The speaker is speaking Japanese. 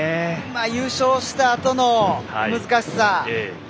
優勝したあとの難しさ。